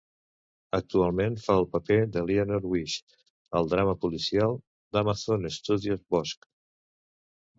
Actualment fa el paper d'Eleanor Wish al drama policial d'Amazon Studios "Bosch".